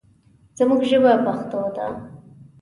زموږ ژبه پښتو ده.